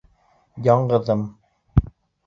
— Яңғыҙым.